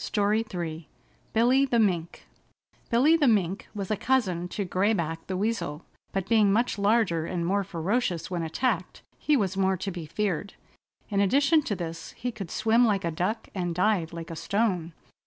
STORY III BILLY THE MINK Billy the Mink was a cousin to Gray Back the Weasel, but being much larger and more ferocious when attacked he was more to be feared. In addition to this he could swim like a duck and dive like a stone.